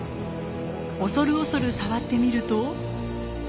恐る恐る触ってみると。